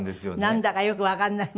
なんだかよくわかんないの。